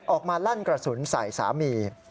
ลั่นกระสุนใส่สามี